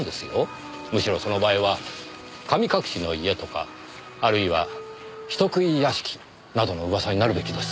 むしろその場合は神隠しの家とかあるいは人食い屋敷などの噂になるべきです。